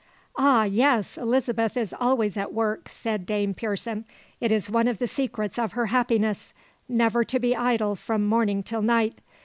"Ah, yes, Elizabeth is always at work," said Dame Pearson; "it is one of the secrets of her happiness, never to be idle from morning till night.